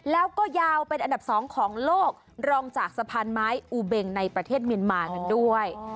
แล้วก็ยาวเป็นอันดับ๒ของโลกรองจากสะพานไม้อูเบงในประเทศเมียนมากันด้วย